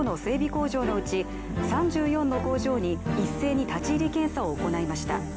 工場のうち３４の工場に一斉に立ち入り検査を行いました。